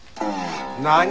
何！？